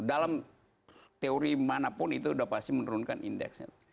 dalam teori manapun itu sudah pasti menurunkan indeksnya